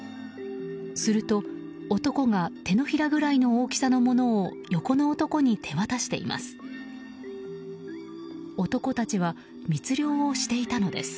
すると、男が手のひらぐらいの大きさぐらいのものを横の男に手渡しています。